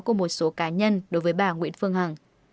của một số cá nhân đối với bà nguyễn phương hằng